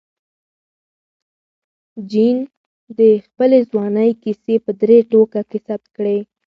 جین د خپلې ځوانۍ کیسې په درې ټوکه کې ثبت کړې.